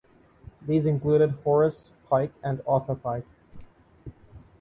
These included Horace Pike and Arthur Pike.